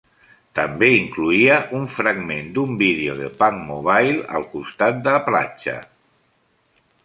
També incloïa un fragment d'un vídeo de Punkmobile al costat de platja.